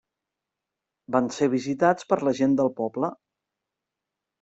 Van ser visitats per la gent del poble.